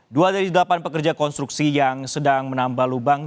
dua dari delapan pekerja konstruksi yang sedang menambah lubang